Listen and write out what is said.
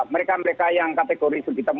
mereka mereka yang kategori sekitar